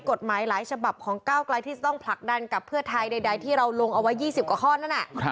กฎหมายหลายฉบับของก้าวกลายที่จะต้องผลักดันกับเพื่อไทยใดที่เราลงเอาไว้๒๐กว่าข้อนั้น